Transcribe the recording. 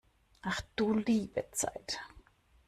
Ach du liebe Zeit!